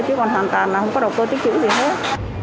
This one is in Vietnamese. chứ còn hoàn toàn là không có đầu tư tích chữ gì hết